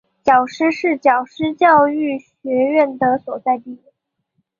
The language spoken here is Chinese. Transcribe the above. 皎施是皎施教育学院的所在地。